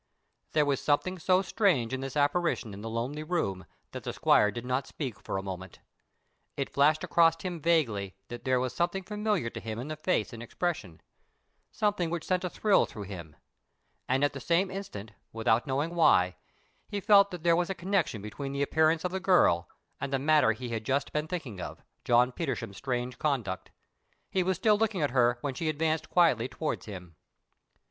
There was something so strange in this apparition in the lonely room that the squire did not speak for a moment. It flashed across him vaguely that there was something familiar to him in the face and expression, something which sent a thrill through him; and at the same instant, without knowing why, he felt that there was a connection between the appearance of the child and the matter he had just been thinking of—John Petersham's strange conduct. He was still looking at her when she advanced quietly towards him.